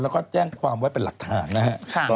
แล้วก็แจ้งความไว้เป็นหลักฐานนะครับ